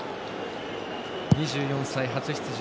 ２４歳、初出場。